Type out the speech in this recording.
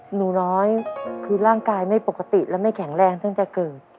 หนูน้อยคือร่างกายไม่ปกติและไม่แข็งแรงตั้งแต่เกิด